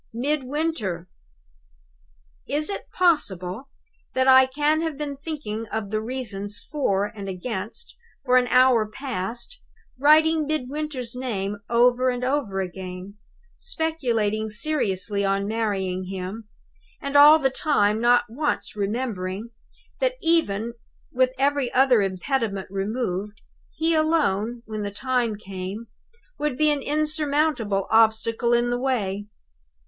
Midwinter!!! "Is it possible that I can have been thinking of the reasons For and Against, for an hour past writing Midwinter's name over and over again speculating seriously on marrying him and all the time not once remembering that, even with every other impediment removed, he alone, when the time came, would be an insurmountable obstacle in my way?